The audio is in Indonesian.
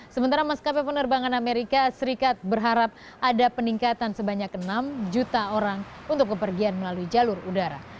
sementara maskapai penerbangan amerika serikat berharap ada peningkatan sebanyak enam juta orang untuk kepergian melalui jalur udara